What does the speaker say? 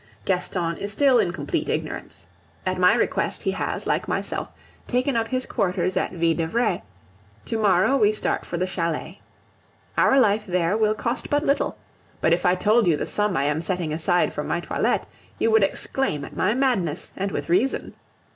Gaston is still in complete ignorance. At my request he has, like myself, taken up his quarters at Ville d'Avray; to morrow we start for the chalet. Our life there will cost but little; but if I told you the sum I am setting aside for my toilet, you would exclaim at my madness, and with reason.